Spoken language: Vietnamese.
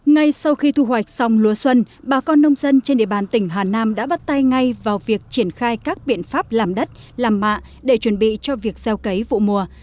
ngay sau khi thu hoạch xong lúa xuân bà con nông dân trên địa bàn tỉnh hà nam đã bắt tay ngay vào việc triển khai các biện pháp làm đất làm mạ để chuẩn bị cho việc gieo cấy vụ mùa